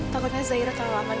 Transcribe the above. takutnya zairah tahu aku menunggunya